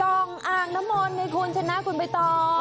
ช่องอ่างน้ำมนต์เวนะไปต่อ